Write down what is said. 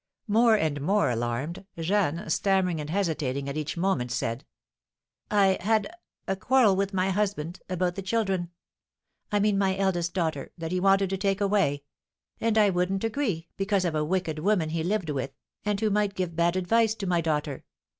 More and more alarmed, Jeanne, stammering and hesitating at each moment, said: "I had a quarrel with my husband about the children; I mean my eldest daughter, that he wanted to take away; and I wouldn't agree, because of a wicked woman he lived with, and who might give bad advice to my daughter.